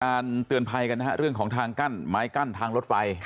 เตือนภัยกันนะฮะเรื่องของทางกั้นไม้กั้นทางรถไฟ